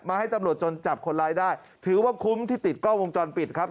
ให้ตำรวจจนจับคนร้ายได้ถือว่าคุ้มที่ติดกล้องวงจรปิดครับ